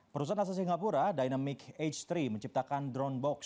perusahaan asal singapura dynamic h tiga menciptakan drone box